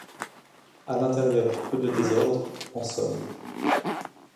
À l’intérieur, peu de désordre, en somme.